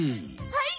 はい！